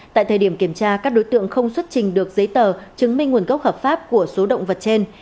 tại thời điểm kiểm tra các đối tượng không xuất trình được giấy tờ chứng minh nguồn gốc hợp pháp của số động vật trên